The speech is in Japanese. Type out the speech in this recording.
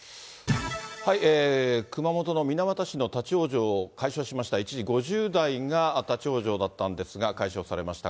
熊本の水俣市の立往生、解消しました、一時、５０台が立往生だったんですが、解消されました。